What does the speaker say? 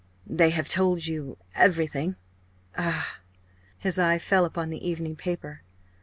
"They have told you everything? Ah! " His eye fell upon the evening paper.